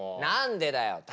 何でだよ。